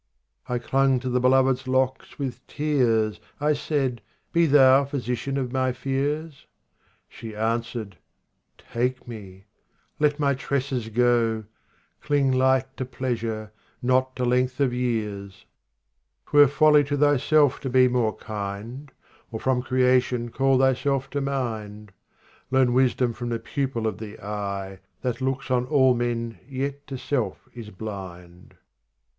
51 I clung to the beloved's locks with tears ; I said, " Be thou physician of my fears ?" She answered :" Take me ! let my tresses go ! Cling light to pleasure, not to length of years ! 52 RUBAIYAT OF HAFIZ 52 " 'Twere folly to thyself to be more kind, Or from Creation call thyself to mind. Learn wisdom from the pupil of the eye That looks on all men yet to self is blind.